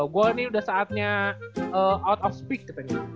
gue ini udah saatnya out of speak katanya